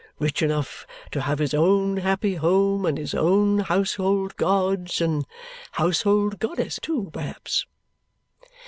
Rich enough to have his own happy home and his own household gods and household goddess, too, perhaps?"